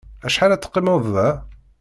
Acḥal ad teqqimeḍ da?